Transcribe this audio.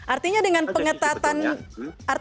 artinya dengan pengetatan pengawasan